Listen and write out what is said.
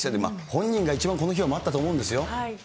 本人が一番この日を待ったと思うんですよ。